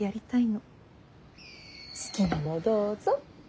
好きなのどうぞ。